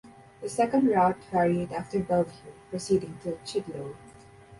The "second route" varied after Bellevue proceeding to Chidlow.